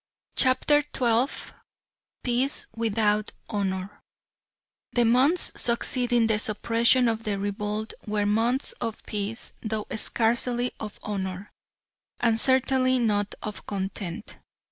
CHAPTER XII PEACE WITHOUT HONOUR The months succeeding the suppression of the revolt were months of peace though scarcely of honour, and certainly not of content.